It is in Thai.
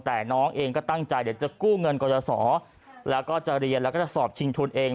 แต่น้องเองก็ตั้งใจเดี๋ยวจะกู้เงินกรยาศรแล้วก็จะเรียนแล้วก็จะสอบชิงทุนเอง